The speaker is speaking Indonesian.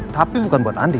tapi bukan buat andi